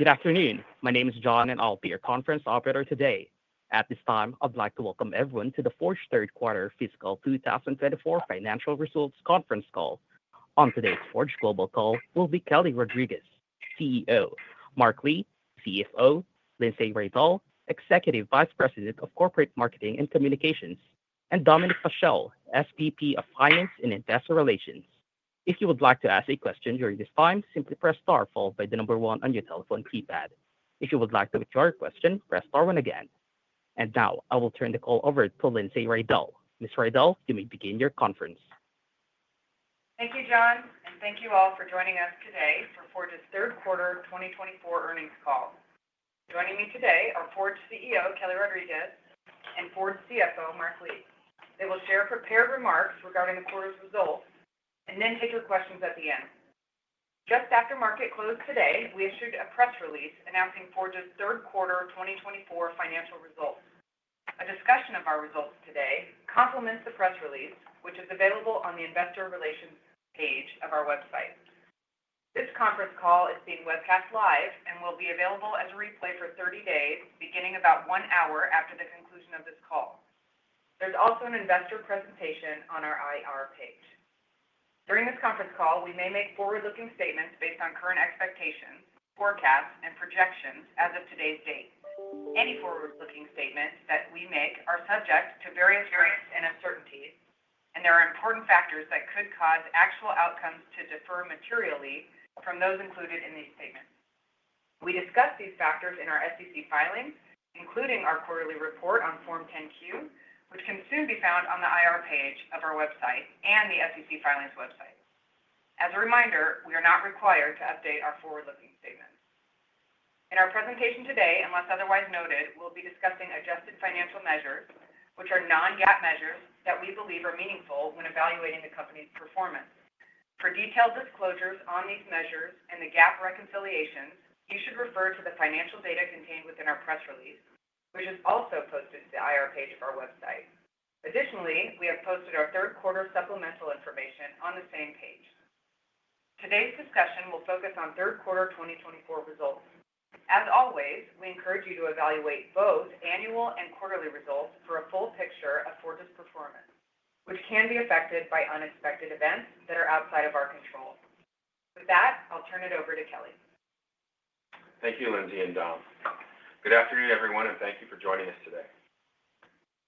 Good afternoon. My name is John, and I'll be your conference operator today. At this time, I'd like to welcome everyone to the Forge Q3 FY2024 Financial Results Conference Call. On today's Forge Global Call will be Kelly Rodriques, CEO, Mark Lee, CFO, Lindsay Riddell, Executive Vice President of Corporate Marketing and Communications, and Dominic Paschel, SVP of Finance and Investor Relations. If you would like to ask a question during this time, simply press star by the number one on your telephone keypad. If you would like to withdraw your question, press star again, and now I will turn the call over to Lindsay Riddell. Ms. Riddell, you may begin your conference. Thank you, John, and thank you all for joining us today for Forge Q3 2024 Earnings Call. Joining me today are Forge CEO Kelly Rodriques and Forge CFO Mark Lee. They will share prepared remarks regarding the quarter's results and then take your questions at the end. Just after market closed today, we issued a press release announcing Forge Q3 2024 Financial Results. A discussion of our results today complements the press release, which is available on the Investor Relations page of our website. This conference call is being webcast live and will be available as a replay for 30 days, beginning about one hour after the conclusion of this call. There's also an investor presentation on our IR page. During this conference call, we may make forward-looking statements based on current expectations, forecasts, and projections as of today's date. Any forward-looking statement that we make are subject to various risks and uncertainties, and there are important factors that could cause actual outcomes to differ materially from those included in these statements. We discuss these factors in our SEC filings, including our quarterly report on Form 10-Q, which can soon be found on the IR page of our website and the SEC filings website. As a reminder, we are not required to update our forward-looking statements. In our presentation today, unless otherwise noted, we'll be discussing adjusted financial measures, which are non-GAAP measures that we believe are meaningful when evaluating the company's performance. For detailed disclosures on these measures and the GAAP reconciliations, you should refer to the financial data contained within our press release, which is also posted to the IR page of our website. Additionally, we have posted our Q3 supplemental information on the same page. Today's discussion will focus on Q3 2024 results. As always, we encourage you to evaluate both annual and quarterly results for a full picture of Forge's performance, which can be affected by unexpected events that are outside of our control. With that, I'll turn it over to Kelly. Thank you, Lindsay and John. Good afternoon, everyone, and thank you for joining us today.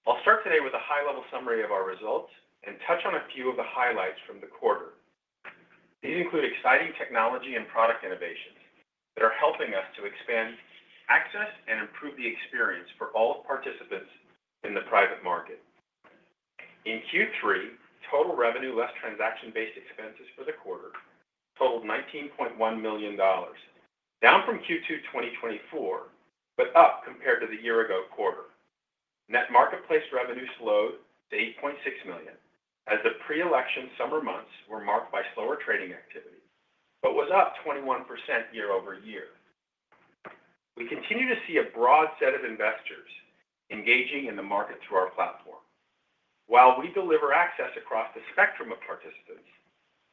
I'll start today with a high-level summary of our results and touch on a few of the highlights from the quarter. These include exciting technology and product innovations that are helping us to expand access and improve the experience for all participants in the private market. In Q3, total revenue less transaction-based expenses for the quarter totaled $19.1 million, down from Q2 2024 but up compared to the year-ago quarter. Net marketplace revenue slowed to $8.6 million as the pre-election summer months were marked by slower trading activity but was up 21% year-over-year. We continue to see a broad set of investors engaging in the market through our platform. While we deliver access across the spectrum of participants,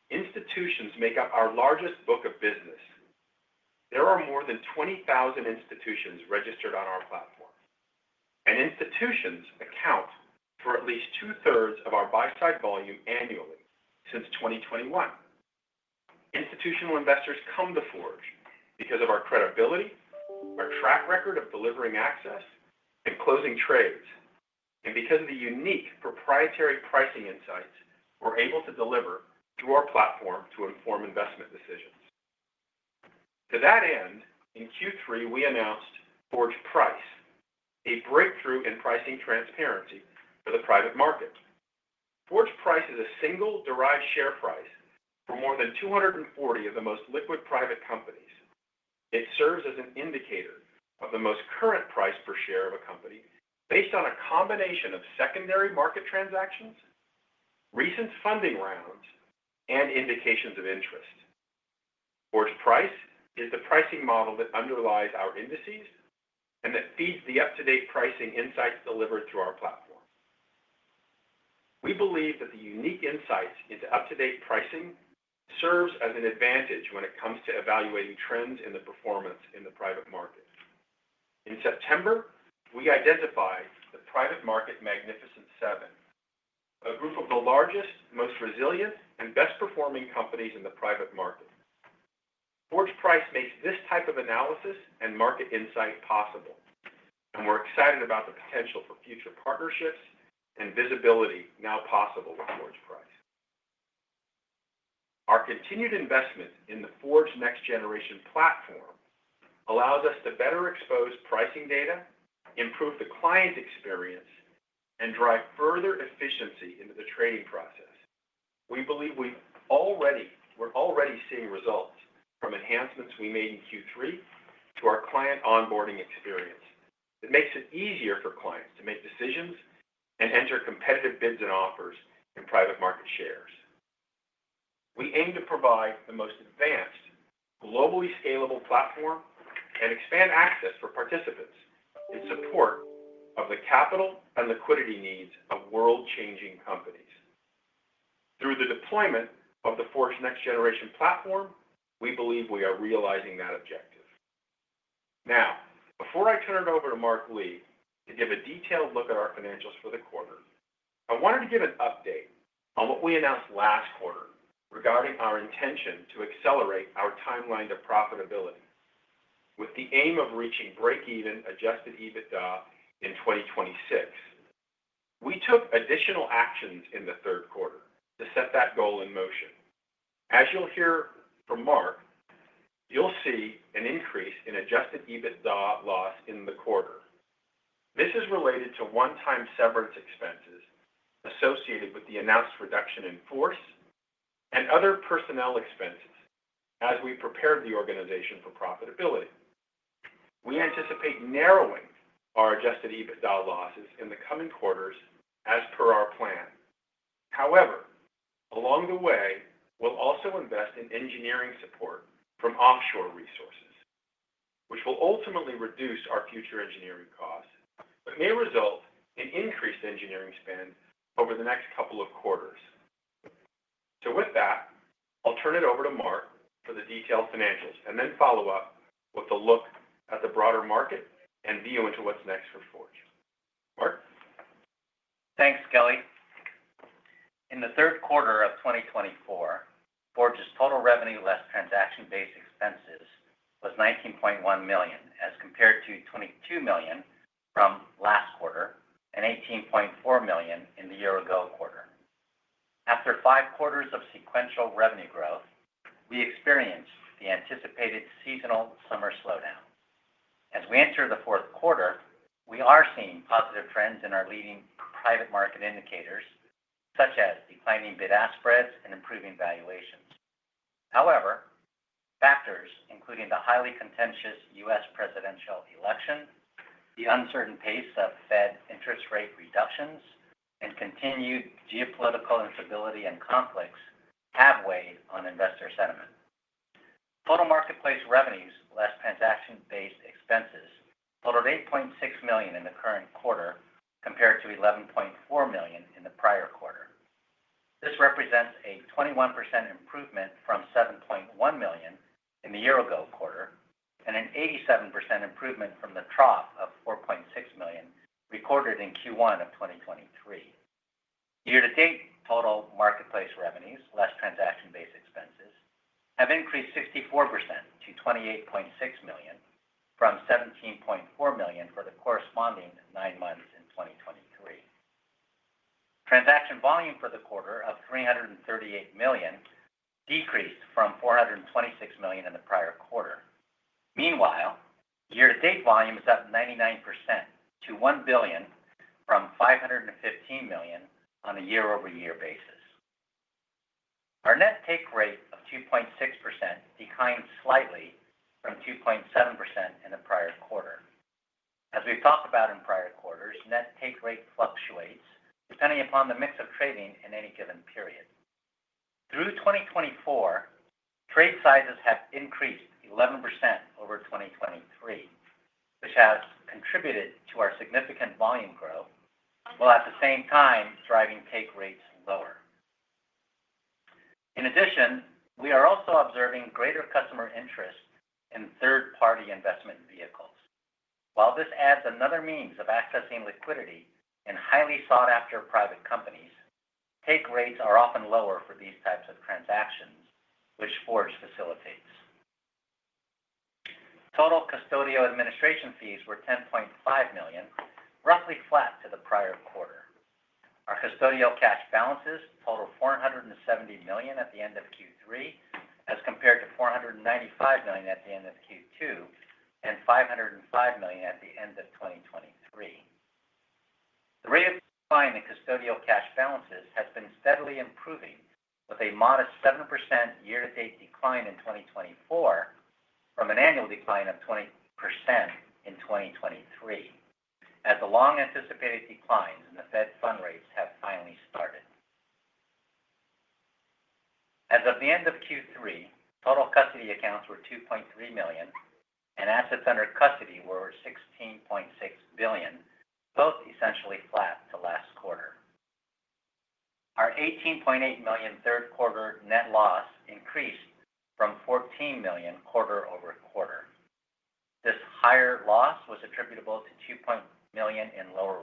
institutions make up our largest book of business. There are more than 20,000 institutions registered on our platform, and institutions account for at least two-thirds of our buy-side volume annually since 2021. Institutional investors come to Forge because of our credibility, our track record of delivering access, and closing trades, and because of the unique proprietary pricing insights we're able to deliver through our platform to inform investment decisions. To that end, in Q3, we announced Forge Price, a breakthrough in pricing transparency for the private market. Forge Price is a single derived share price for more than 240 of the most liquid private companies. It serves as an indicator of the most current price per share of a company based on a combination of secondary market transactions, recent funding rounds, and indications of interest. Forge Price is the pricing model that underlies our indices and that feeds the up-to-date pricing insights delivered through our platform. We believe that the unique insights into up-to-date pricing serve as an advantage when it comes to evaluating trends in the performance in the private market. In September, we identified the Private Market Magnificent Seven, a group of the largest, most resilient, and best-performing companies in the private market. Forge Price makes this type of analysis and market insight possible, and we're excited about the potential for future partnerships and visibility now possible with Forge Price. Our continued investment in the Forge Next Generation Platform allows us to better expose pricing data, improve the client experience, and drive further efficiency into the trading process. We believe we're already seeing results from enhancements we made in Q3 to our client onboarding experience that makes it easier for clients to make decisions and enter competitive bids and offers in private market shares. We aim to provide the most advanced, globally scalable platform and expand access for participants in support of the capital and liquidity needs of world-changing companies. Through the deployment of the Forge Next Generation Platform, we believe we are realizing that objective. Now, before I turn it over to Mark Lee to give a detailed look at our financials for the quarter, I wanted to give an update on what we announced last quarter regarding our intention to accelerate our timeline to profitability with the aim of reaching break-even Adjusted EBITDA in 2026. We took additional actions in the Q3 to set that goal in motion. As you'll hear from Mark, you'll see an increase in Adjusted EBITDA loss in the quarter. This is related to one-time severance expenses associated with the announced reduction in force and other personnel expenses as we prepared the organization for profitability. We anticipate narrowing our Adjusted EBITDA losses in the coming quarters as per our plan. However, along the way, we'll also invest in engineering support from offshore resources, which will ultimately reduce our future engineering costs but may result in increased engineering spend over the next couple of quarters. So with that, I'll turn it over to Mark for the detailed financials and then follow up with a look at the broader market and view into what's next for Forge. Mark? Thanks, Kelly. In the Q3 of 2024, Forge's total revenue less transaction-based expenses was $19.1 million as compared to $22 million from last quarter and $18.4 million in the year-ago quarter. After five quarters of sequential revenue growth, we experienced the anticipated seasonal summer slowdown. As we enter the Q4, we are seeing positive trends in our leading private market indicators, such as declining bid-ask spreads and improving valuations. However, factors including the highly contentious U.S. presidential election, the uncertain pace of Fed interest rate reductions, and continued geopolitical instability and conflicts have weighed on investor sentiment. Total marketplace revenues less transaction-based expenses totaled $8.6 million in the current quarter compared to $11.4 million in the prior quarter. This represents a 21% improvement from $7.1 million in the year-ago quarter and an 87% improvement from the trough of $4.6 million recorded in Q1 of 2023. Year-to-date total marketplace revenues less transaction-based expenses have increased 64% to $28.6 million from $17.4 million for the corresponding nine months in 2023. Transaction volume for the quarter of $338 million decreased from $426 million in the prior quarter. Meanwhile, year-to-date volume is up 99% to $1 billion from $515 million on a year-over-year basis. Our net take rate of 2.6% declined slightly from 2.7% in the prior quarter. As we've talked about in prior quarters, net take rate fluctuates depending upon the mix of trading in any given period. Through 2024, trade sizes have increased 11% over 2023, which has contributed to our significant volume growth while at the same time driving take rates lower. In addition, we are also observing greater customer interest in third-party investment vehicles. While this adds another means of accessing liquidity in highly sought-after private companies, take rates are often lower for these types of transactions, which Forge facilitates. Total custodial administration fees were $10.5 million, roughly flat to the prior quarter. Our custodial cash balances totaled $470 million at the end of Q3 as compared to $495 million at the end of Q2 and $505 million at the end of 2023. The rate of decline in custodial cash balances has been steadily improving with a modest 7% year-to-date decline in 2024 from an annual decline of 20% in 2023, as the long-anticipated declines in the Fed fund rates have finally started. As of the end of Q3, total custody accounts were $2.3 million, and assets under custody were $16.6 billion, both essentially flat to last quarter. Our $18.8 million Q3 net loss increased from $14 million quarter-over-quarter. This higher loss was attributable to $2.9 million in lower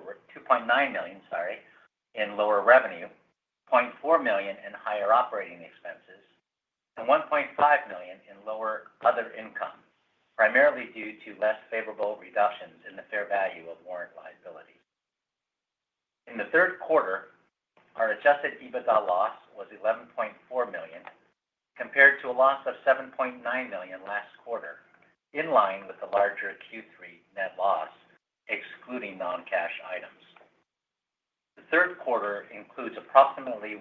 revenue, $0.4 million in higher operating expenses, and $1.5 million in lower other income, primarily due to less favorable reductions in the fair value of warrant liability. In the Q3, our Adjusted EBITDA loss was $11.4 million compared to a loss of $7.9 million last quarter, in line with the larger Q3 net loss excluding non-cash items. The Q3 includes approximately $1.2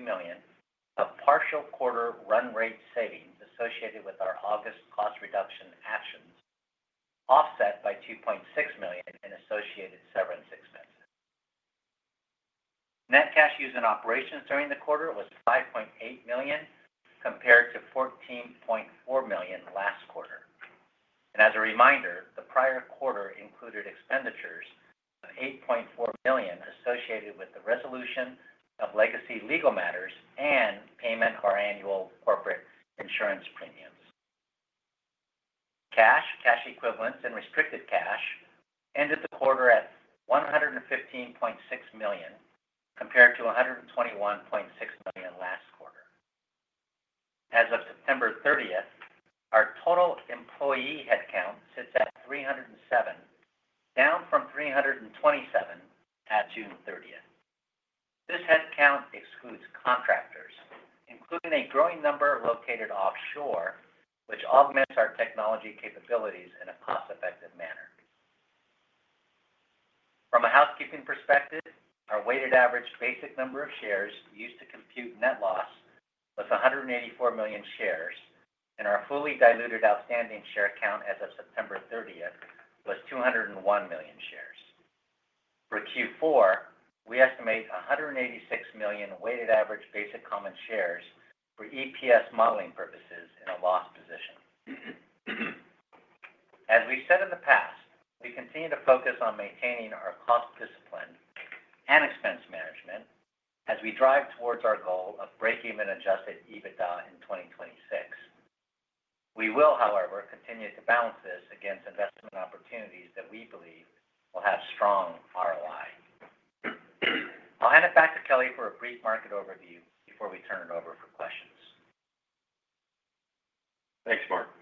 million of partial quarter run rate savings associated with our August cost reduction actions, offset by $2.6 million in associated severance expenses. Net cash use in operations during the quarter was $5.8 million compared to $14.4 million last quarter. And as a reminder, the prior quarter included expenditures of $8.4 million associated with the resolution of legacy legal matters and payment of our annual corporate insurance premiums. Cash, cash equivalents, and restricted cash ended the quarter at $115.6 million compared to $121.6 million last quarter. As of September 30, our total employee headcount sits at 307, down from 327 at June 30. This headcount excludes contractors, including a growing number located offshore, which augments our technology capabilities in a cost-effective manner. From a housekeeping perspective, our weighted average basic number of shares used to compute net loss was 184 million shares, and our fully diluted outstanding share count as of September 30 was 201 million shares. For Q4, we estimate 186 million weighted average basic common shares for EPS modeling purposes in a loss position. As we've said in the past, we continue to focus on maintaining our cost discipline and expense management as we drive towards our goal of break-even Adjusted EBITDA in 2026. We will, however, continue to balance this against investment opportunities that we believe will have strong ROI. I'll hand it back to Kelly for a brief market overview before we turn it over for questions. Thanks, Mark.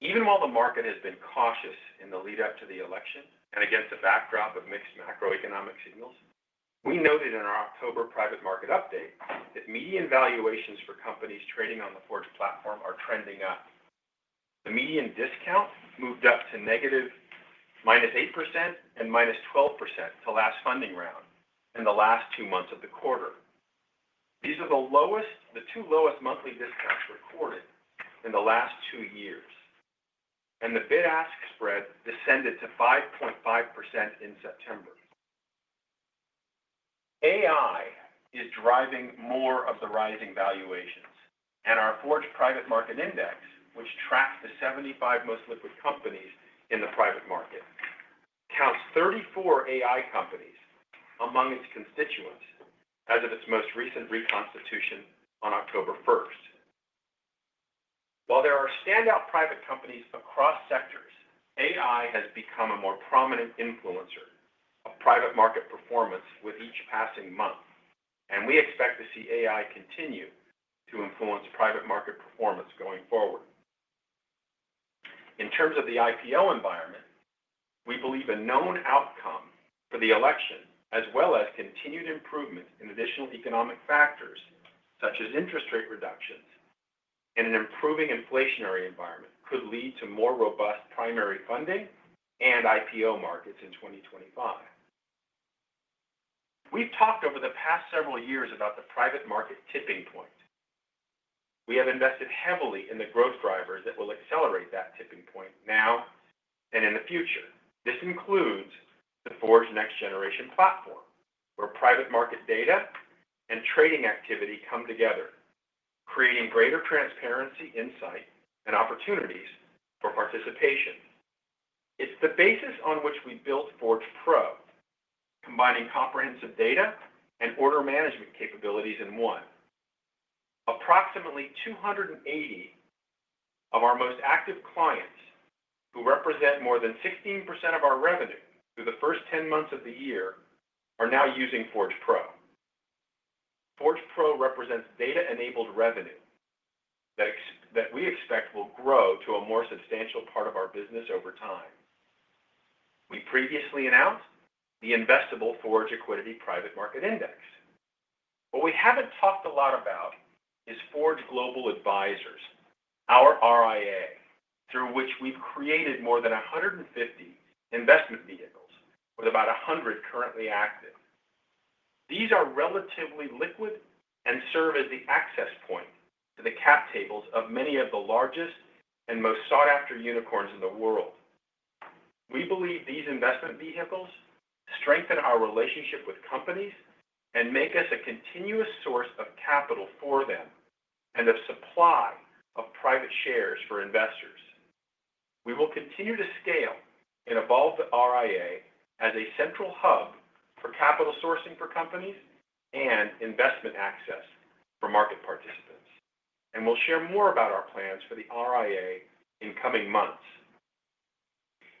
Even while the market has been cautious in the lead-up to the election and against a backdrop of mixed macroeconomic signals, we noted in our October private market update that median valuations for companies trading on the Forge platform are trending up. The median discount moved up to negative minus 8% and minus 12% to last funding round in the last two months of the quarter. These are the two lowest monthly discounts recorded in the last two years, and the bid-ask spread descended to 5.5% in September. AI is driving more of the rising valuations, and our Forge Private Market Index, which tracks the 75 most liquid companies in the private market, counts 34 AI companies among its constituents as of its most recent reconstitution on October 1. While there are standout private companies across sectors, AI has become a more prominent influencer of private market performance with each passing month, and we expect to see AI continue to influence private market performance going forward. In terms of the IPO environment, we believe a known outcome for the election, as well as continued improvement in additional economic factors such as interest rate reductions and an improving inflationary environment, could lead to more robust primary funding and IPO markets in 2025. We've talked over the past several years about the private market tipping point. We have invested heavily in the growth drivers that will accelerate that tipping point now and in the future. This includes the Forge Next Generation Platform, where private market data and trading activity come together, creating greater transparency, insight, and opportunities for participation. It's the basis on which we built Forge Pro, combining comprehensive data and order management capabilities in one. Approximately 280 of our most active clients, who represent more than 16% of our revenue through the first 10 months of the year, are now using Forge Pro. Forge Pro represents data-enabled revenue that we expect will grow to a more substantial part of our business over time. We previously announced the Forge Accuidity Private Market Index. What we haven't talked a lot about is Forge Global Advisors, our RIA, through which we've created more than 150 investment vehicles, with about 100 currently active. These are relatively liquid and serve as the access point to the cap tables of many of the largest and most sought-after unicorns in the world. We believe these investment vehicles strengthen our relationship with companies and make us a continuous source of capital for them and a supply of private shares for investors. We will continue to scale and evolve the RIA as a central hub for capital sourcing for companies and investment access for market participants, and we'll share more about our plans for the RIA in coming months.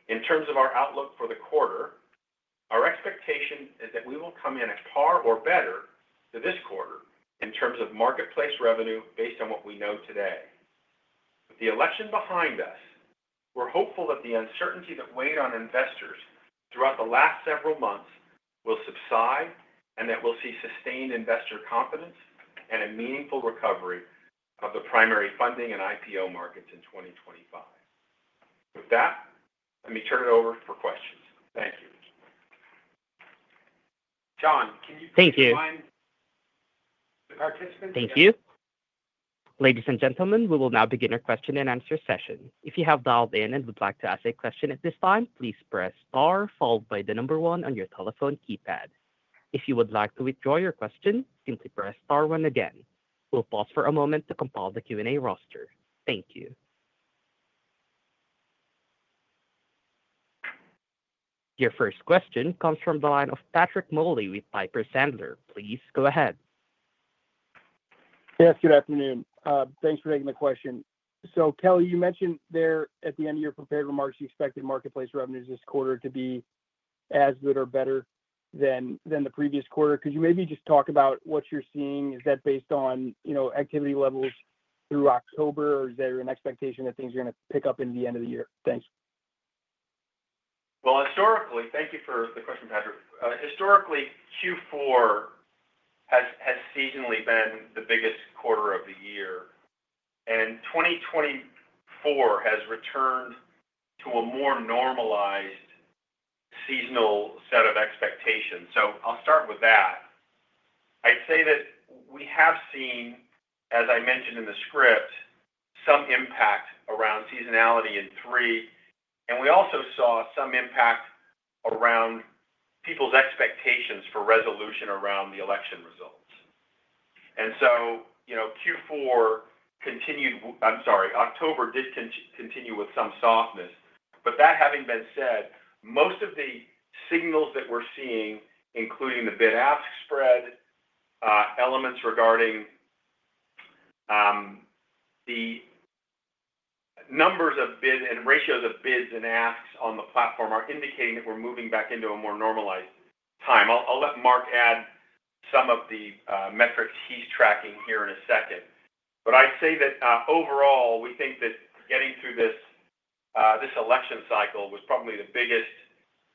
In terms of our outlook for the quarter, our expectation is that we will come in at par or better to this quarter in terms of marketplace revenue based on what we know today. With the election behind us, we're hopeful that the uncertainty that weighed on investors throughout the last several months will subside and that we'll see sustained investor confidence and a meaningful recovery of the primary funding and IPO markets in 2025. With that, let me turn it over for questions. Thank you. John, can you read the line? Thank you. Thank you. Ladies and gentlemen, we will now begin our question and answer session. If you have dialed in and would like to ask a question at this time, please press star followed by the number one on your telephone keypad. If you would like to withdraw your question, simply press star one again. We'll pause for a moment to compile the Q&A roster. Thank you. Your first question comes from the line of Patrick Moley with Piper Sandler. Please go ahead. Yes, good afternoon. Thanks for taking the question. So Kelly, you mentioned there at the end of your prepared remarks, you expected marketplace revenues this quarter to be as good or better than the previous quarter. Could you maybe just talk about what you're seeing? Is that based on activity levels through October, or is there an expectation that things are going to pick up into the end of the year? Thanks. Historically, thank you for the question, Patrick. Historically, Q4 has seasonally been the biggest quarter of the year, and 2024 has returned to a more normalized seasonal set of expectations. So I'll start with that. I'd say that we have seen, as I mentioned in the script, some impact around seasonality in three, and we also saw some impact around people's expectations for resolution around the election results. And so Q4 continued. I'm sorry, October did continue with some softness. But that having been said, most of the signals that we're seeing, including the bid-ask spread elements regarding the numbers of bid and ratios of bids and asks on the platform, are indicating that we're moving back into a more normalized time. I'll let Mark add some of the metrics he's tracking here in a second. But I'd say that overall, we think that getting through this election cycle was probably the biggest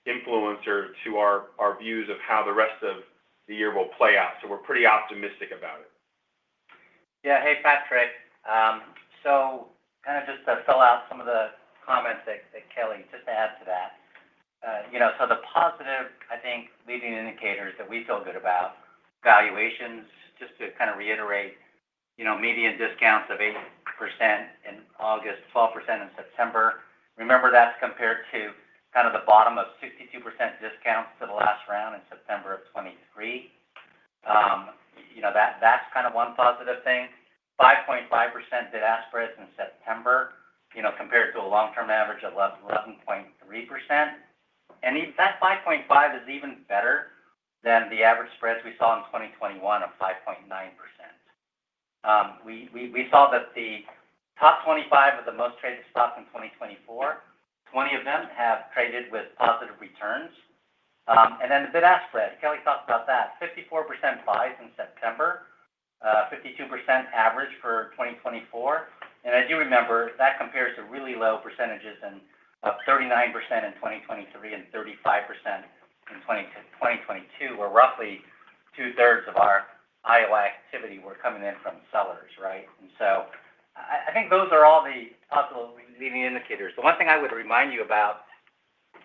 influencer to our views of how the rest of the year will play out. So we're pretty optimistic about it. Yeah. Hey, Patrick. So kind of just to fill out some of the comments that Kelly, just to add to that. So the positive, I think, leading indicators that we feel good about, valuations, just to kind of reiterate median discounts of 8% in August, 12% in September. Remember, that's compared to kind of the bottom of 62% discounts to the last round in September of 2023. That's kind of one positive thing. 5.5% bid-ask spreads in September compared to a long-term average of 11.3%. And that 5.5 is even better than the average spreads we saw in 2021 of 5.9%. We saw that the top 25 of the most traded stocks in 2024, 20 of them have traded with positive returns. And then the bid-ask spread. Kelly talked about that. 54% buys in September, 52% average for 2024. As you remember, that compares to really low percentages of 39% in 2023 and 35% in 2022, where roughly two-thirds of our IOI activity were coming in from sellers, right? So I think those are all the possible leading indicators. The one thing I would remind you about,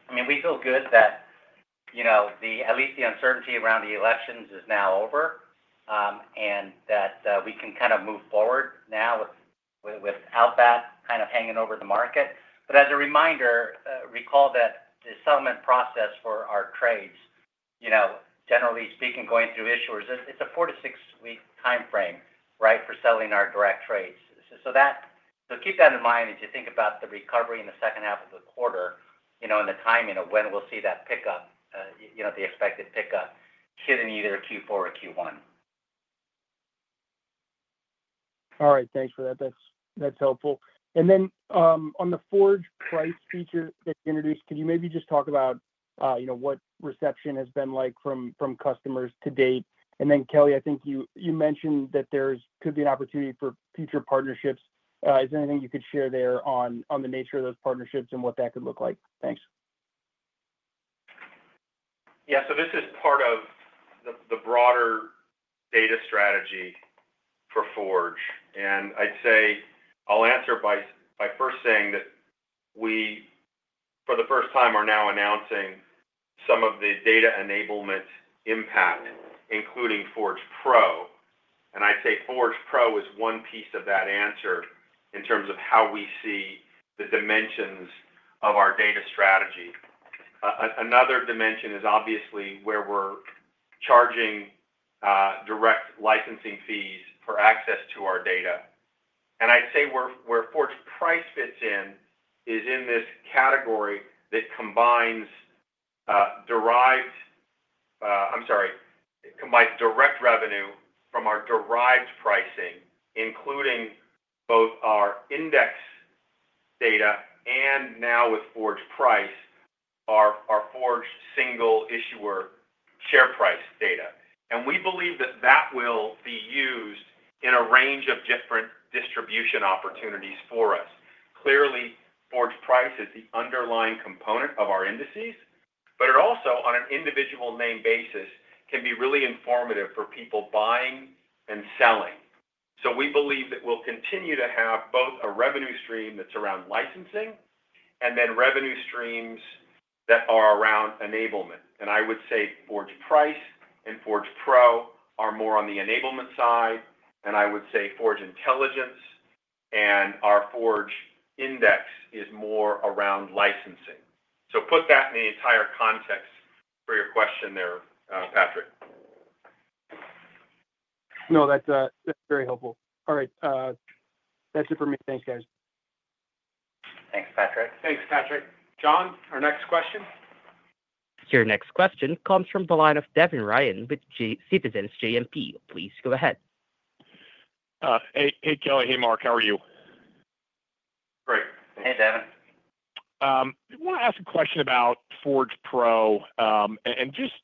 I mean, we feel good that at least the uncertainty around the elections is now over and that we can kind of move forward now without that kind of hanging over the market. But as a reminder, recall that the settlement process for our trades, generally speaking, going through issuers, it's a four- to six-week time frame, right, for selling our direct trades. So keep that in mind as you think about the recovery in the second half of the quarter and the timing of when we'll see that pickup, the expected pickup, hit in either Q4 or Q1. All right. Thanks for that. That's helpful. And then on the Forge Price feature that you introduced, could you maybe just talk about what reception has been like from customers to date? And then, Kelly, I think you mentioned that there could be an opportunity for future partnerships. Is there anything you could share there on the nature of those partnerships and what that could look like? Thanks. Yeah. So this is part of the broader data strategy for Forge. And I'd say I'll answer by first saying that we, for the first time, are now announcing some of the data enablement impact, including Forge Pro. And I'd say Forge Pro is one piece of that answer in terms of how we see the dimensions of our data strategy. Another dimension is obviously where we're charging direct licensing fees for access to our data. And I'd say where Forge Price fits in is in this category that combines derived, I'm sorry, combines direct revenue from our derived pricing, including both our index data and now with Forge Price, our Forge single issuer share price data. And we believe that that will be used in a range of different distribution opportunities for us. Clearly, Forge Price is the underlying component of our indices, but it also, on an individual name basis, can be really informative for people buying and selling. So we believe that we'll continue to have both a revenue stream that's around licensing and then revenue streams that are around enablement. And I would say Forge Price and Forge Pro are more on the enablement side, and I would say Forge Intelligence and our Forge Index is more around licensing. So put that in the entire context for your question there, Patrick. No, that's very helpful. All right. That's it for me. Thanks, guys. Thanks, Patrick. Thanks, Patrick. John, our next question. Your next question comes from the line of Devin Ryan with Citizens JMP. Please go ahead. Hey, Kelly. Hey, Mark. How are you? Great. Hey, Devin. I want to ask a question about Forge Pro and just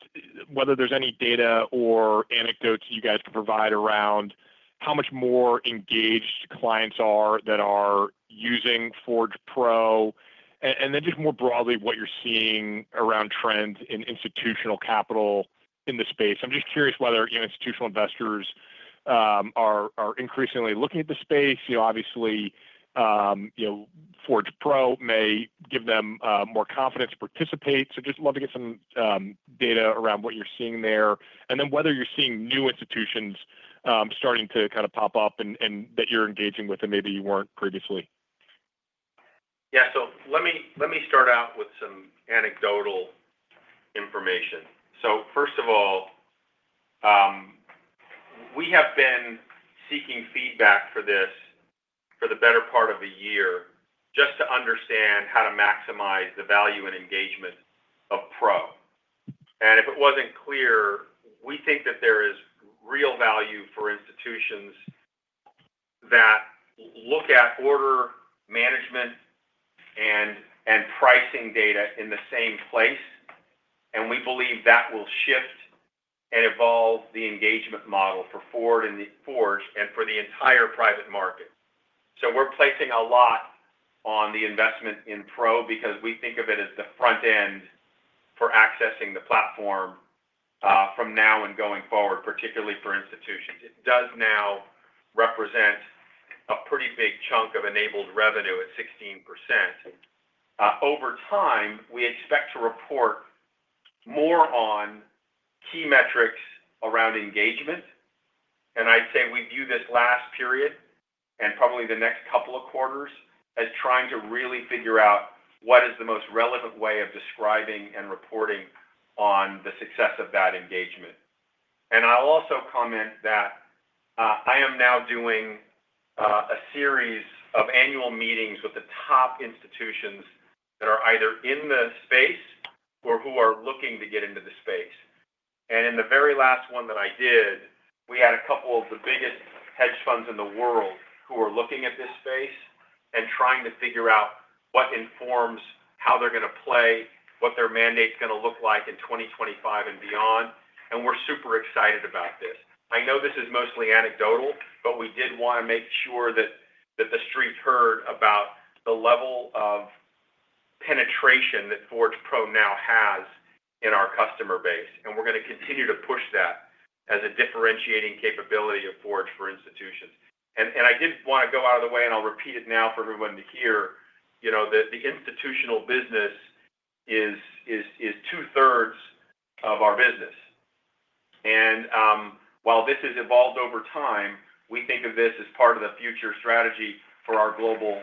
whether there's any data or anecdotes you guys can provide around how much more engaged clients are that are using Forge Pro, and then just more broadly what you're seeing around trends in institutional capital in the space. I'm just curious whether institutional investors are increasingly looking at the space. Obviously, Forge Pro may give them more confidence to participate. So just love to get some data around what you're seeing there, and then whether you're seeing new institutions starting to kind of pop up and that you're engaging with and maybe you weren't previously? Yeah. So let me start out with some anecdotal information. So first of all, we have been seeking feedback for this for the better part of a year just to understand how to maximize the value and engagement of Pro. And if it wasn't clear, we think that there is real value for institutions that look at order management and pricing data in the same place. And we believe that will shift and evolve the engagement model for Forge and for the entire private market. So we're placing a lot on the investment in Pro because we think of it as the front end for accessing the platform from now and going forward, particularly for institutions. It does now represent a pretty big chunk of enabled revenue at 16%. Over time, we expect to report more on key metrics around engagement. And I'd say we view this last period and probably the next couple of quarters as trying to really figure out what is the most relevant way of describing and reporting on the success of that engagement. And I'll also comment that I am now doing a series of annual meetings with the top institutions that are either in the space or who are looking to get into the space. And in the very last one that I did, we had a couple of the biggest hedge funds in the world who are looking at this space and trying to figure out what informs how they're going to play, what their mandate's going to look like in 2025 and beyond. And we're super excited about this. I know this is mostly anecdotal, but we did want to make sure that the street heard about the level of penetration that Forge Pro now has in our customer base. And we're going to continue to push that as a differentiating capability of Forge for institutions. And I did want to go out of the way, and I'll repeat it now for everyone to hear, that the institutional business is two-thirds of our business. And while this has evolved over time, we think of this as part of the future strategy for our global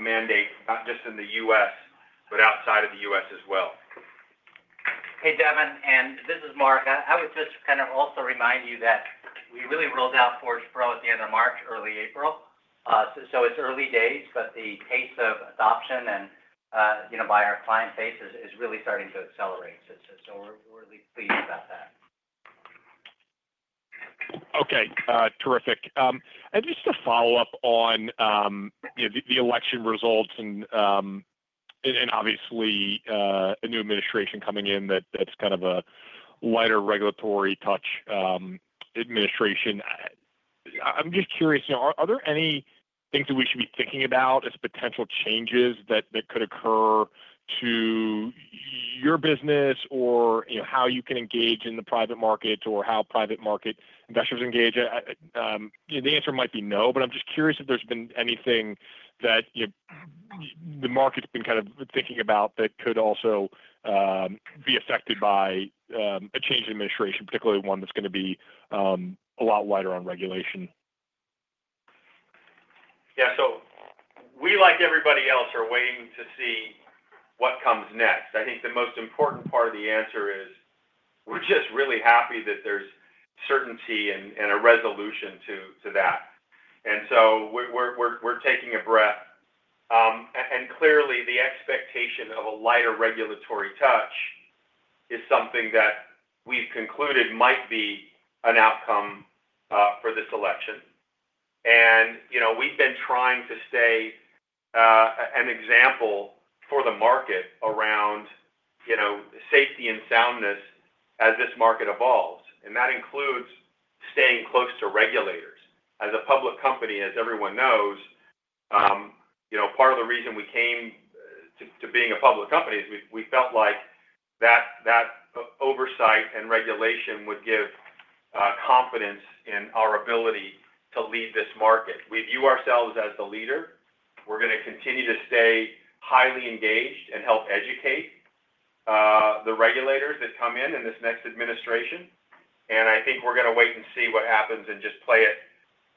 mandate, not just in the U.S., but outside of the U.S. as well. Hey, Devin, and this is Mark. I would just kind of also remind you that we really rolled out Forge Pro at the end of March, early April, so it's early days, but the pace of adoption by our client base is really starting to accelerate, so we're really pleased about that. Okay. Terrific. And just to follow up on the election results and obviously a new administration coming in that's kind of a lighter regulatory touch administration, I'm just curious, are there any things that we should be thinking about as potential changes that could occur to your business or how you can engage in the private market or how private market investors engage? The answer might be no, but I'm just curious if there's been anything that the market's been kind of thinking about that could also be affected by a change in administration, particularly one that's going to be a lot lighter on regulation. Yeah. So we, like everybody else, are waiting to see what comes next. I think the most important part of the answer is we're just really happy that there's certainty and a resolution to that. And so we're taking a breath. And clearly, the expectation of a lighter regulatory touch is something that we've concluded might be an outcome for this election. And we've been trying to stay an example for the market around safety and soundness as this market evolves. And that includes staying close to regulators. As a public company, as everyone knows, part of the reason we came to being a public company is we felt like that oversight and regulation would give confidence in our ability to lead this market. We view ourselves as the leader. We're going to continue to stay highly engaged and help educate the regulators that come in in this next administration. And I think we're going to wait and see what happens and just play it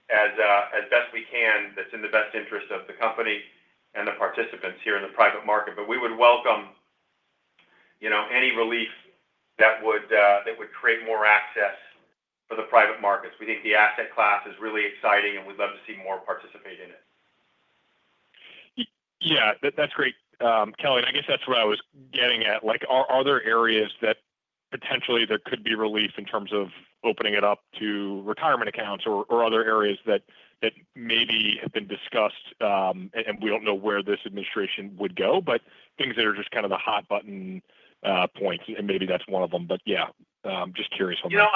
as best we can, that's in the best interest of the company and the participants here in the private market. But we would welcome any relief that would create more access for the private markets. We think the asset class is really exciting, and we'd love to see more participate in it. Yeah. That's great, Kelly. And I guess that's what I was getting at. Are there areas that potentially there could be relief in terms of opening it up to retirement accounts or other areas that maybe have been discussed and we don't know where this administration would go, but things that are just kind of the hot button points? And maybe that's one of them. But yeah, just curious on that.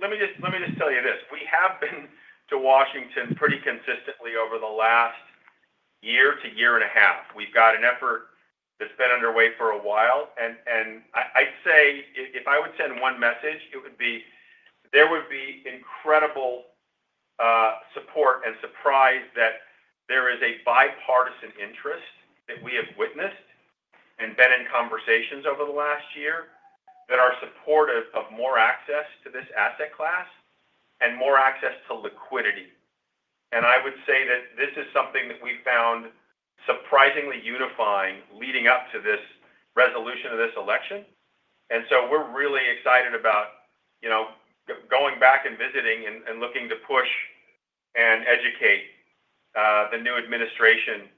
Let me just tell you this. We have been to Washington pretty consistently over the last year to year and a half. We've got an effort that's been underway for a while. And I'd say if I would send one message, it would be there would be incredible support and surprise that there is a bipartisan interest that we have witnessed and been in conversations over the last year that are supportive of more access to this asset class and more access to liquidity. And I would say that this is something that we found surprisingly unifying leading up to this resolution of this election. And so we're really excited about going back and visiting and looking to push and educate the new administration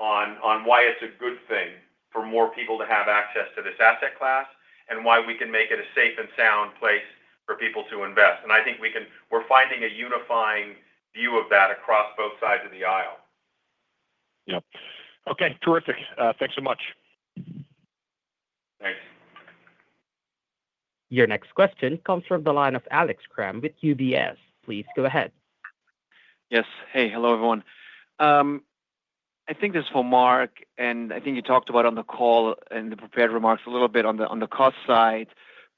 on why it's a good thing for more people to have access to this asset class and why we can make it a safe and sound place for people to invest. And I think we're finding a unifying view of that across both sides of the aisle. Yep. Okay. Terrific. Thanks so much. Thanks. Your next question comes from the line of Alex Kramm with UBS. Please go ahead. Yes. Hey, hello, everyone. I think this is for Mark, and I think you talked about on the call and the prepared remarks a little bit on the cost side,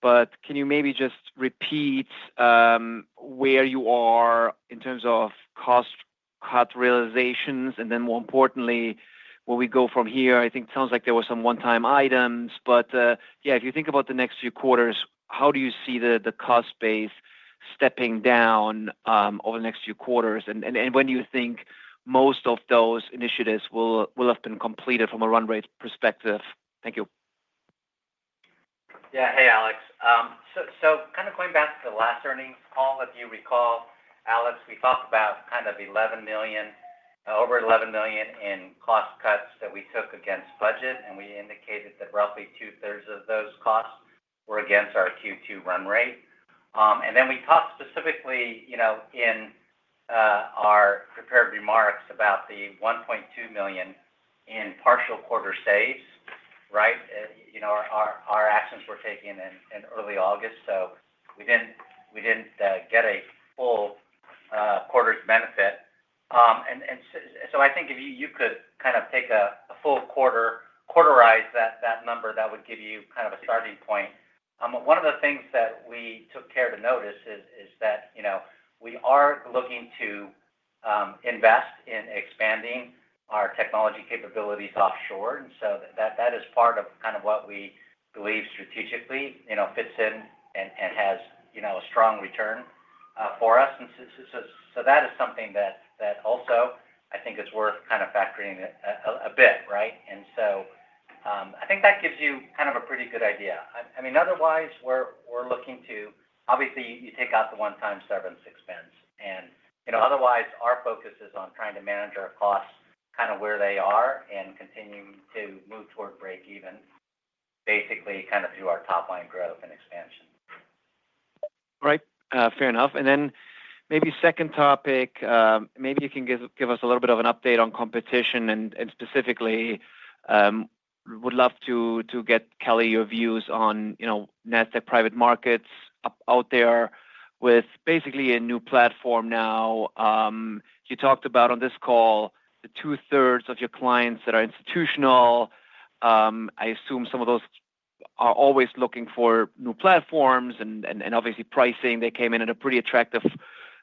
but can you maybe just repeat where you are in terms of cost-cut realizations? And then more importantly, where we go from here, I think it sounds like there were some one-time items. But yeah, if you think about the next few quarters, how do you see the cost base stepping down over the next few quarters? And when do you think most of those initiatives will have been completed from a run rate perspective? Thank you. Yeah. Hey, Alex. So kind of going back to the last earnings call, if you recall, Alex, we talked about kind of over $11 million in cost cuts that we took against budget, and we indicated that roughly two-thirds of those costs were against our Q2 run rate. And then we talked specifically in our prepared remarks about the $1.2 million in partial quarter saves, right? Our actions were taken in early August, so we didn't get a full quarter's benefit. And so I think if you could kind of take a full quarter, quarterize that number, that would give you kind of a starting point. One of the things that we took care to notice is that we are looking to invest in expanding our technology capabilities offshore. And so that is part of kind of what we believe strategically fits in and has a strong return for us. And so that is something that also, I think, is worth kind of factoring a bit, right? And so I think that gives you kind of a pretty good idea. I mean, otherwise, we're looking to obviously, you take out the one-time severance expense. And otherwise, our focus is on trying to manage our costs kind of where they are and continue to move toward break-even, basically kind of through our top-line growth and expansion. Right. Fair enough. And then maybe second topic, maybe you can give us a little bit of an update on competition. And specifically, would love to get, Kelly, your views on Nasdaq Private Market out there with basically a new platform now. You talked about on this call the two-thirds of your clients that are institutional. I assume some of those are always looking for new platforms and obviously pricing. They came in at a pretty attractive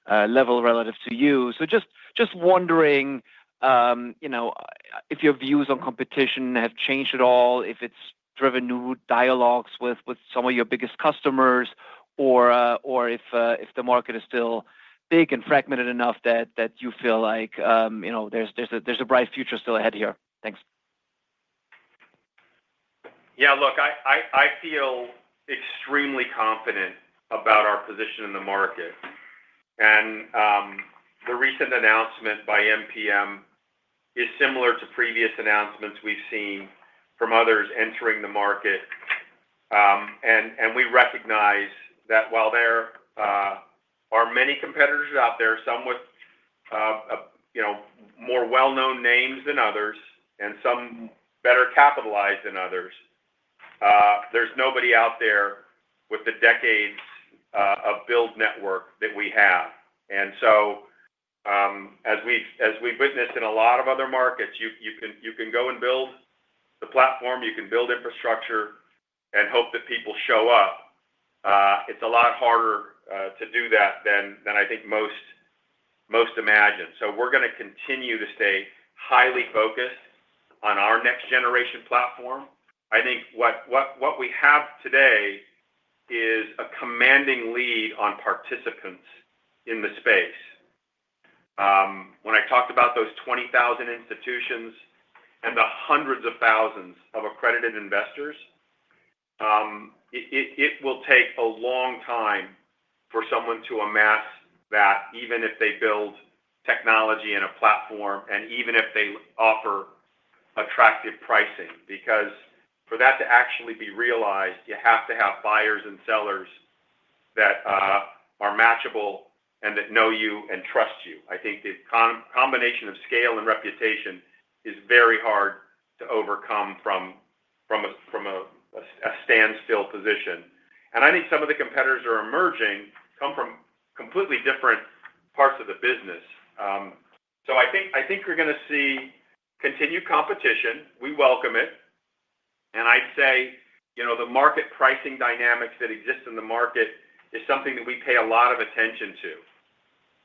level relative to you. So just wondering if your views on competition have changed at all, if it's driven new dialogues with some of your biggest customers, or if the market is still big and fragmented enough that you feel like there's a bright future still ahead here. Thanks. Yeah. Look, I feel extremely confident about our position in the market, and the recent announcement by NPM is similar to previous announcements we've seen from others entering the market. And we recognize that while there are many competitors out there, some with more well-known names than others and some better capitalized than others, there's nobody out there with the decades of built network that we have. And so as we've witnessed in a lot of other markets, you can go and build the platform. You can build infrastructure and hope that people show up. It's a lot harder to do that than I think most imagine, so we're going to continue to stay highly focused on our next-generation platform. I think what we have today is a commanding lead on participants in the space. When I talked about those 20,000 institutions and the hundreds of thousands of accredited investors, it will take a long time for someone to amass that, even if they build technology and a platform and even if they offer attractive pricing. Because for that to actually be realized, you have to have buyers and sellers that are matchable and that know you and trust you. I think the combination of scale and reputation is very hard to overcome from a standstill position. And I think some of the competitors that are emerging come from completely different parts of the business. So I think we're going to see continued competition. We welcome it. And I'd say the market pricing dynamics that exist in the market is something that we pay a lot of attention to.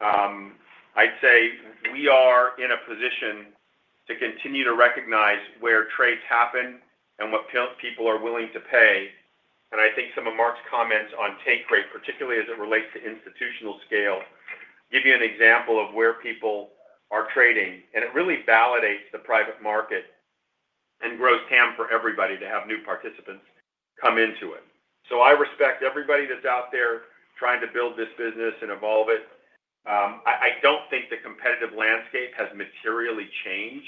I'd say we are in a position to continue to recognize where trades happen and what people are willing to pay. I think some of Mark's comments on take rate, particularly as it relates to institutional scale, give you an example of where people are trading. It really validates the private market and grows the TAM for everybody to have new participants come into it. I respect everybody that's out there trying to build this business and evolve it. I don't think the competitive landscape has materially changed.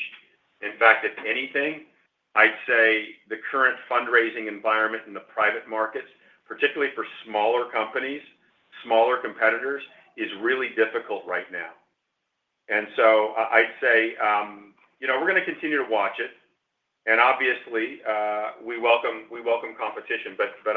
In fact, if anything, I'd say the current fundraising environment in the private markets, particularly for smaller companies, smaller competitors, is really difficult right now. I'd say we're going to continue to watch it. Obviously, we welcome competition, but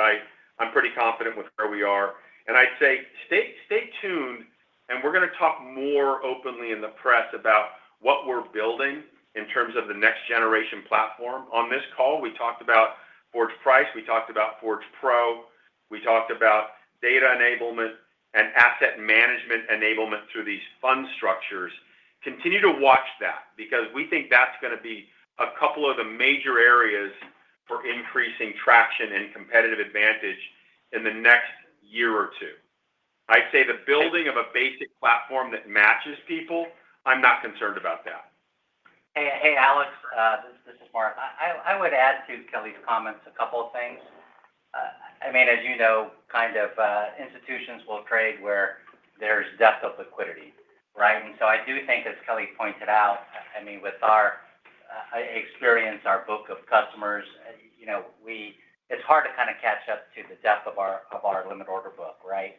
I'm pretty confident with where we are. And I'd say stay tuned, and we're going to talk more openly in the press about what we're building in terms of the next-generation platform. On this call, we talked about Forge Price. We talked about Forge Pro. We talked about data enablement and asset management enablement through these fund structures. Continue to watch that because we think that's going to be a couple of the major areas for increasing traction and competitive advantage in the next year or two. I'd say the building of a basic platform that matches people, I'm not concerned about that. Hey, Alex, this is Mark. I would add to Kelly's comments a couple of things. I mean, as you know, kind of institutions will trade where there's depth of liquidity, right? And so I do think, as Kelly pointed out, I mean, with our experience, our book of customers, it's hard to kind of catch up to the depth of our limit order book, right?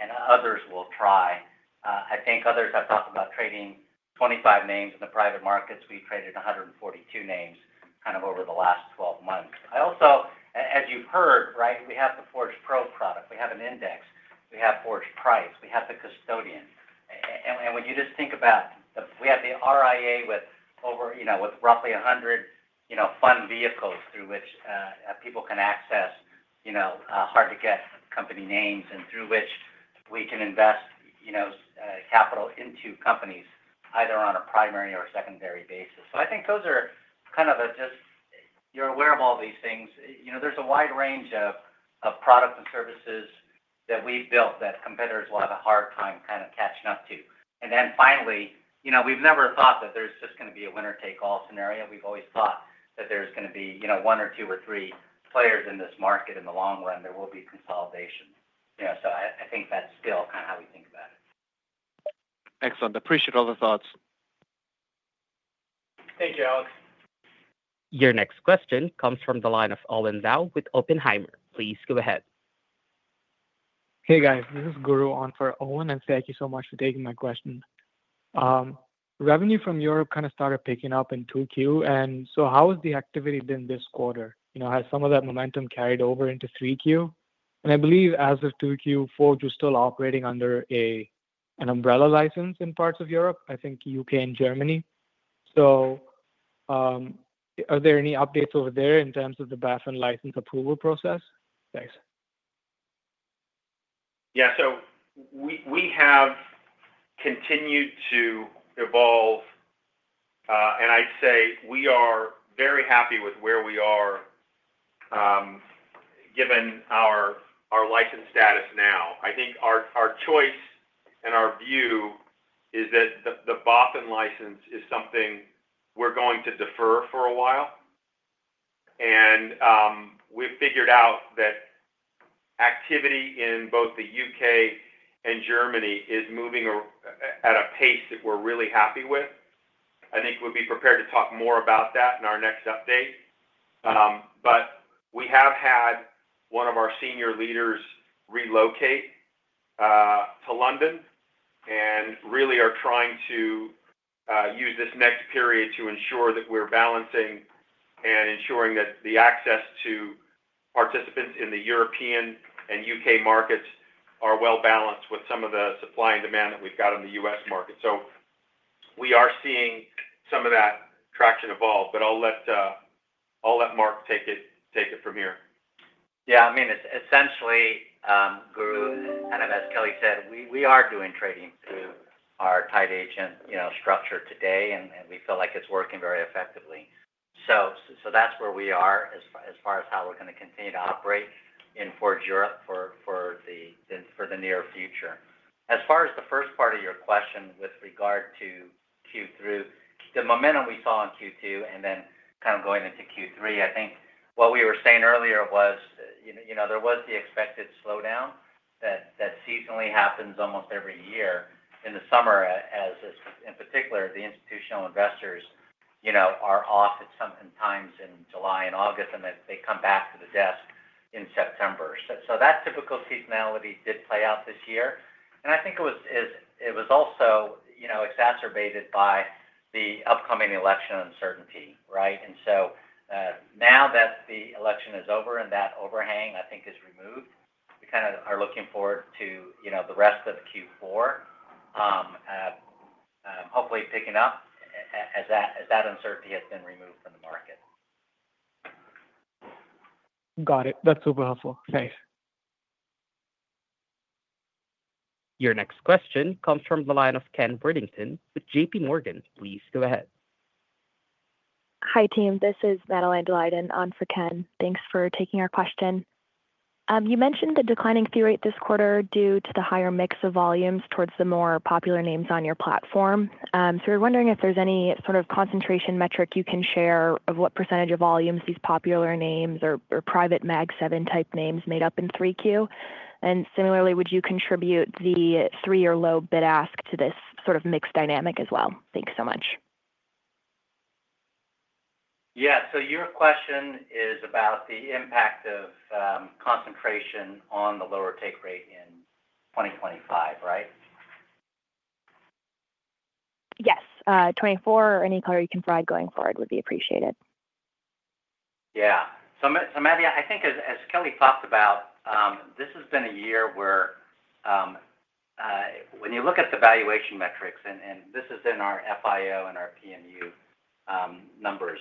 And others will try. I think others have talked about trading 25 names in the private markets. We traded 142 names kind of over the last 12 months. Also, as you've heard, right, we have the Forge Pro product. We have an index. We have Forge Price. We have the custodian. And when you just think about, we have the RIA with roughly 100 fund vehicles through which people can access hard-to-get company names and through which we can invest capital into companies either on a primary or secondary basis. So I think those are kind of just, you're aware of all these things. There's a wide range of products and services that we've built that competitors will have a hard time kind of catching up to. And then finally, we've never thought that there's just going to be a winner-take-all scenario. We've always thought that there's going to be one or two or three players in this market in the long run. There will be consolidation. So I think that's still kind of how we think about it. Excellent. Appreciate all the thoughts. Thank you, Alex. Your next question comes from the line of Owen Lau with Oppenheimer. Please go ahead. Hey, guys. This is Guru on for Owen, and thank you so much for taking my question. Revenue from Europe kind of started picking up in 2Q. And so how has the activity been this quarter? Has some of that momentum carried over into 3Q? And I believe as of 2Q, Forge was still operating under an umbrella license in parts of Europe, I think U.K. and Germany. So are there any updates over there in terms of the BaFin license approval process? Thanks. Yeah. So we have continued to evolve, and I'd say we are very happy with where we are given our license status now. I think our choice and our view is that the BaFin license is something we're going to defer for a while. And we've figured out that activity in both the U.K. and Germany is moving at a pace that we're really happy with. I think we'd be prepared to talk more about that in our next update. But we have had one of our senior leaders relocate to London and really are trying to use this next period to ensure that we're balancing and ensuring that the access to participants in the European and U.K. markets are well balanced with some of the supply and demand that we've got in the U.S. market. So we are seeing some of that traction evolve, but I'll let Mark take it from here. Yeah. I mean, essentially, Guru, kind of as Kelly said, we are doing trading through our tied agent structure today, and we feel like it's working very effectively. So that's where we are as far as how we're going to continue to operate in Forge Europe for the near future. As far as the first part of your question with regard to Q3, the momentum we saw in Q2 and then kind of going into Q3, I think what we were saying earlier was there was the expected slowdown that seasonally happens almost every year in the summer, as in particular, the institutional investors are off at certain times in July and August, and they come back to the desk in September. So that typical seasonality did play out this year. And I think it was also exacerbated by the upcoming election uncertainty, right? Now that the election is over and that overhang, I think, is removed, we kind of are looking forward to the rest of Q4, hopefully picking up as that uncertainty has been removed from the market. Got it. That's super helpful. Thanks. Your next question comes from the line of Ken Worthington with J.P. Morgan. Please go ahead. Hi, team. This is Madeline Daleiden on for Ken. Thanks for taking our question. You mentioned the declining fee rate this quarter due to the higher mix of volumes towards the more popular names on your platform. So we're wondering if there's any sort of concentration metric you can share of what percentage of volumes these popular names or private Mag 7 type names made up in 3Q? And similarly, would you attribute the 3Q or low bid-ask to this sort of mix dynamic as well? Thanks so much. Yeah. So your question is about the impact of concentration on the lower take rate in 2025, right? Yes. 2024 or any color you can provide going forward would be appreciated. Yeah. So Maddie, I think as Kelly talked about, this has been a year where when you look at the valuation metrics, and this is in our FIO and our PMU numbers,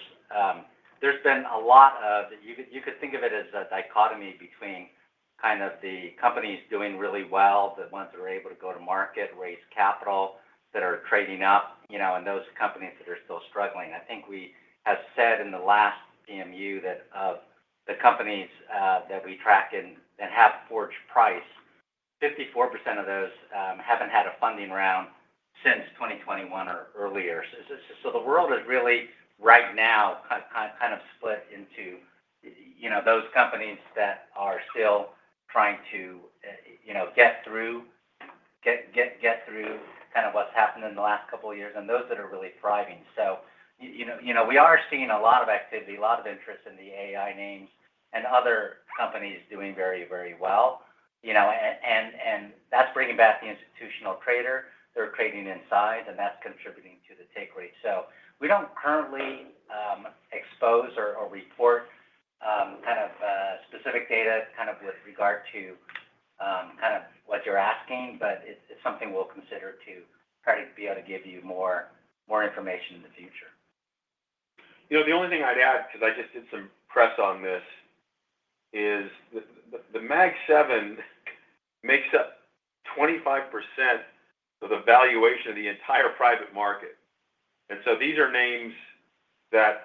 there's been a lot of you could think of it as a dichotomy between kind of the companies doing really well, the ones that are able to go to market, raise capital, that are trading up, and those companies that are still struggling. I think we have said in the last PMU that of the companies that we track and have Forge Price, 54% of those haven't had a funding round since 2021 or earlier. So the world is really right now kind of split into those companies that are still trying to get through kind of what's happened in the last couple of years and those that are really thriving. We are seeing a lot of activity, a lot of interest in the AI names and other companies doing very, very well. That's bringing back the institutional trader. They're trading inside, and that's contributing to the take rate. We don't currently expose or report kind of specific data kind of with regard to kind of what you're asking, but it's something we'll consider to try to be able to give you more information in the future. The only thing I'd add, because I just did some press on this, is the Mag 7 makes up 25% of the valuation of the entire private market, and so these are names that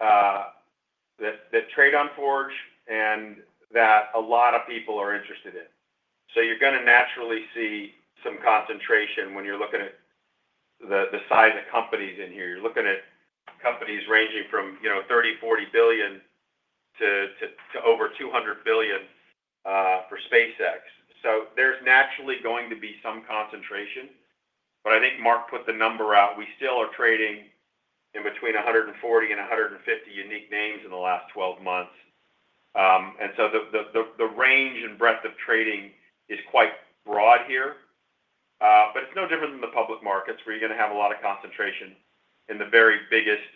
trade on Forge and that a lot of people are interested in, so you're going to naturally see some concentration when you're looking at the size of companies in here. You're looking at companies ranging from $30-40 billion to over $200 billion for SpaceX, so there's naturally going to be some concentration, but I think Mark put the number out. We still are trading in between 140 and 150 unique names in the last 12 months, and so the range and breadth of trading is quite broad here, but it's no different than the public markets where you're going to have a lot of concentration in the very biggest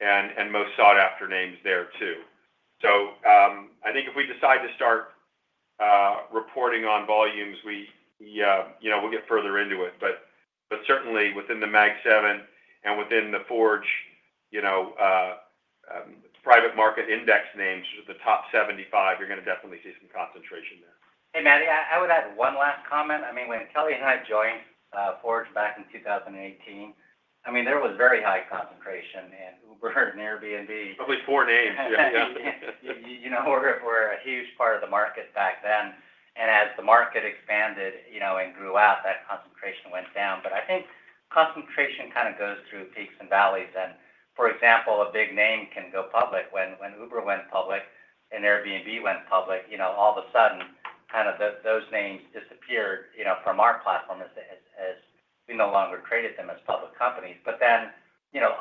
and most sought-after names there too. So I think if we decide to start reporting on volumes, we'll get further into it. But certainly, within the Mag 7 and within the Forge Private Market Index names, the top 75, you're going to definitely see some concentration there. Hey, Maddie, I would add one last comment. I mean, when Kelly and I joined Forge back in 2018, I mean, there was very high concentration in Uber and Airbnb. Probably four names. Yeah. You know we were a huge part of the market back then. And as the market expanded and grew out, that concentration went down. But I think concentration kind of goes through peaks and valleys. And for example, a big name can go public. When Uber went public and Airbnb went public, all of a sudden, kind of those names disappeared from our platform as we no longer traded them as public companies. But then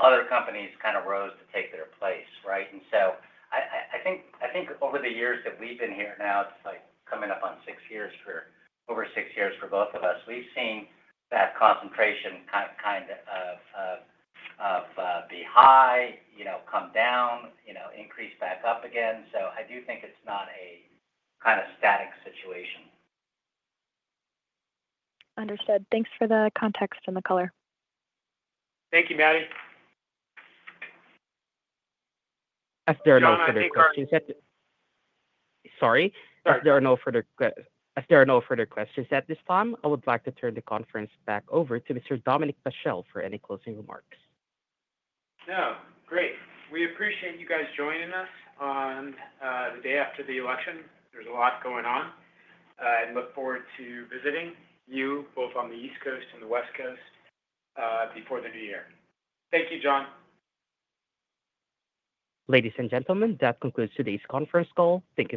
other companies kind of rose to take their place, right? And so I think over the years that we've been here now, it's like coming up on six years for over six years for both of us, we've seen that concentration kind of be high, come down, increase back up again. So I do think it's not a kind of static situation. Understood. Thanks for the context and the color. Thank you, Maddie. As there are no further questions at this time, I would like to turn the conference back over to Mr. Dominic Paschel for any closing remarks. No, great. We appreciate you guys joining us on the day after the election. There's a lot going on and look forward to visiting you both on the East Coast and the West Coast before the New Year. Thank you, John. Ladies and gentlemen, that concludes today's conference call. Thank you.